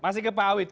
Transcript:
masih ke pak awid